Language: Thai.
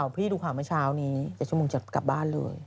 พี่ดูข่าวเมื่อเช้านี้๗ชั่วโมงจะกลับบ้านเลย